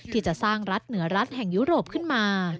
ที่จะสร้างรัฐเหนือรัฐแห่งยุโรปขึ้นมา